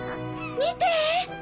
見て！